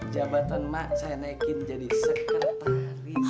jabatan maksa naikin jadi sekretaris